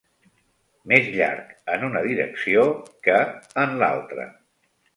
Més llarg en una direcció que en l'altra.